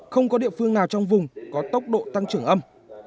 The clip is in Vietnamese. không có địa phương nào trong vùng có tốc độ tăng trưởng âm